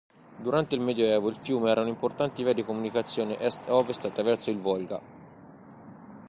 Durante il Medioevo il fiume era un'importante via di comunicazione est-ovest attraverso il Volga.